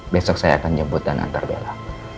besok saya akan nyebut dan antar bella